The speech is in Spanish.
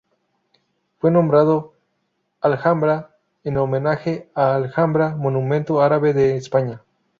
Fue nombrado Alhambra en homenaje a la Alhambra monumento árabe de España.